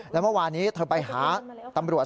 แล้วเมื่อวานี้เธอไปหาตำรวจ